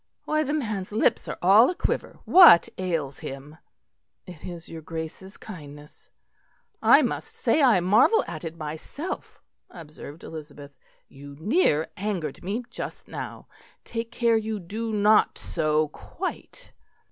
"Why, the man's lips are all a quiver. What ails him?" "It is your Grace's kindness." "I must say I marvel at it myself," observed Elizabeth. "You near angered me just now; take care you do not so quite."